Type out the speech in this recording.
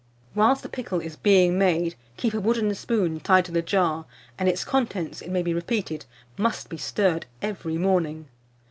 Whilst the pickle is being made, keep a wooden spoon tied to the jar; and its contents, it may be repeated, must be stirred every morning.